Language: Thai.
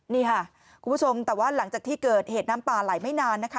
นี่ค่ะคุณผู้ชมแต่ว่าหลังจากที่เกิดเหตุน้ำป่าไหลไม่นานนะคะ